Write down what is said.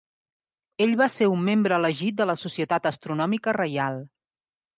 Ell va ser un membre elegit de la Societat Astronòmica Reial.